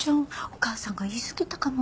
お母さんが言い過ぎたかも。